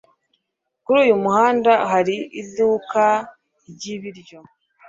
Kuri uyu muhanda hari iduka ryibiryo.